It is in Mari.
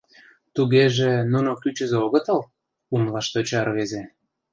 — Тугеже, нуно кӱчызӧ огытыл? — умылаш тӧча рвезе.